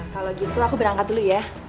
kalau gitu aku berangkat dulu ya